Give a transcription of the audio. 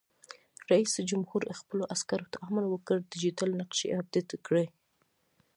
رئیس جمهور خپلو عسکرو ته امر وکړ؛ ډیجیټل نقشې اپډېټ کړئ!